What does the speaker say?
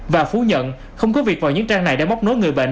và phú nhận không có việc vào những trang này để móc nối người bệnh